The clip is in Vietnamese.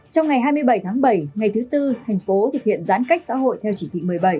trong ngày hai mươi bảy tháng bảy ngày thứ bốn tp hcm thực hiện giãn cách xã hội theo chỉ thị một mươi bảy